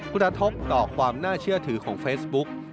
กระทบต่อความน่าเชื่อถือของเฟซบุ๊ก